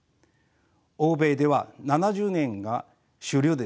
欧米では７０年が主流です。